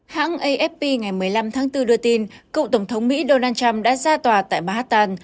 hãng afp ngày một mươi năm tháng bốn đưa tin cựu tổng thống mỹ donald trump đã ra tòa tại manhattan